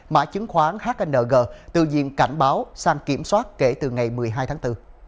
mã chứng khoán hng từ diện cảnh báo sang kiểm soát kể từ ngày một mươi hai tháng bốn